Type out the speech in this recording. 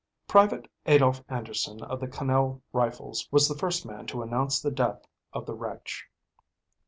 Private Adolph Anderson of the Connell Rifles was the first man to announce the death of the wretch.